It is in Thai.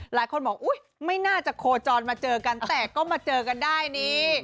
หลายคนบอกอุ๊ยไม่น่าจะโคจรมาเจอกันแต่ก็มาเจอกันได้นี่